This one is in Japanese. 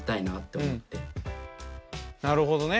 なるほどね。